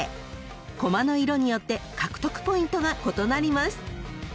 ［コマの色によって獲得ポイントが異なります］